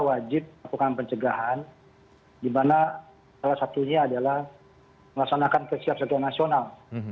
wajib melakukan pencegahan dimana salah satunya adalah melaksanakan kesiapsetiaan nasional